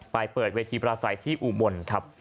เปิดเวทีประสัยที่อุบลครับ